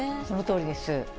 そのとおりです。